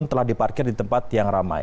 telah diparkir di tempat yang ramai